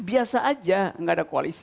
biasa saja tidak ada koalisi